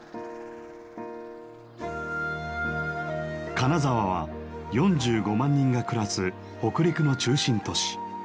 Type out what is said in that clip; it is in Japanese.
金沢は４５万人が暮らす北陸の中心都市。